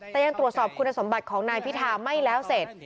แต่ยังตรวจสอบคุณสมบัติของนายพิธาไม่แล้วเสร็จ